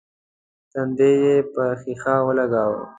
تندی يې پر ښيښه ولګاوه.